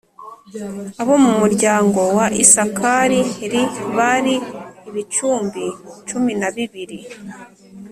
Abo mu muryango wa isakari r bari ibihumbi cumi na bibiri